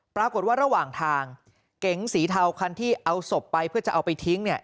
ปรากฏว่าระหว่างทางเก๋งสีเทาคันที่เอาศพไปเพื่อจะเอาไปทิ้งเนี่ย